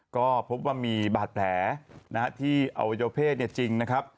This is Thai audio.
ก็พบว่ามีบาดแผลที่อวัยวเพศจริงนะครับ